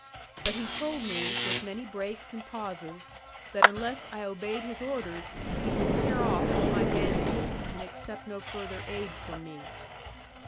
But he told me, with many breaks and pauses, that unless I obeyed his orders, he would tear off all my bandages, and accept no further aid from me.